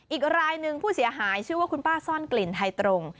อีกรายหนึ่งผู้เสียหายชื่อว่าคุณป้าซ่อนกลิ่นไฮตรง